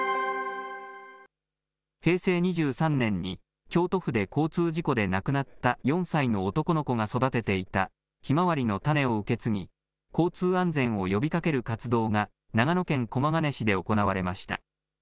平成２３年に、京都府で交通事故で亡くなった４歳の男の子が育てていたひまわりの種を受け継ぎ、交通安全を呼びかける活動が、長野県駒ヶ根市で行われました。